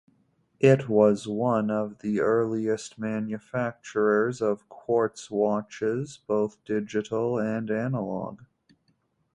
It was one of the earliest manufacturers of quartz watches, both digital and analog.